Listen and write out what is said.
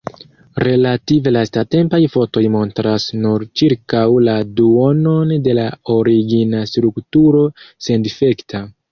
Relative lastatempaj fotoj montras nur ĉirkaŭ la duonon de la origina strukturo sendifekta.